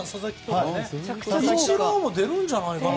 イチローも出るんじゃないかな。